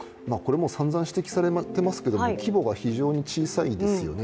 これもさんざん指摘されてますけど規模が非常に小さいですよね。